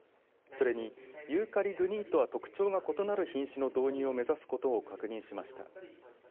それにユーカリ・グニーとは特徴が異なる品種の導入を目指すことを確認しました。